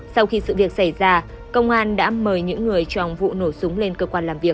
sau khi sự việc xảy ra công an đã mời những người trong vụ nổ súng lên cơ quan làm việc